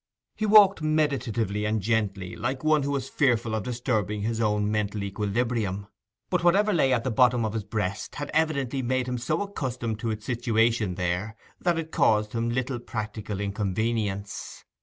He walked meditatively and gently, like one who was fearful of disturbing his own mental equilibrium. But whatever lay at the bottom of his breast had evidently made him so accustomed to its situation there that it caused him little practical inconvenience.